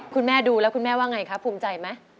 คุณแม่ดูแล้วคุณแม่ว่าไงครับภูมิใจไหม